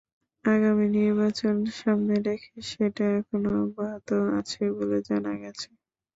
আগামী নির্বাচন সামনে রেখে সেটা এখনো অব্যাহত আছে বলে জানা গেছে।